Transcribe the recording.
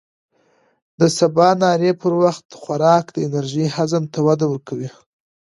د سباناري پر وخت خوراک د انرژۍ هضم ته وده ورکوي.